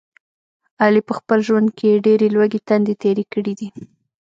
علي په خپل ژوند کې ډېرې لوږې تندې تېرې کړي دي.